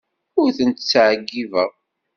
Ur tent-ttɛeyyibeɣ.